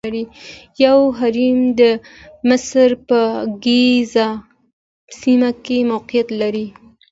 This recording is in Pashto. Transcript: لوی هرم د مصر په ګیزا سیمه کې موقعیت لري.